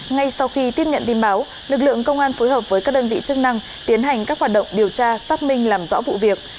ngay sau khi tiếp nhận tin báo lực lượng công an phối hợp với các đơn vị chức năng tiến hành các hoạt động điều tra xác minh làm rõ vụ việc